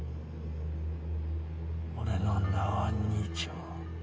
俺の名は二丁。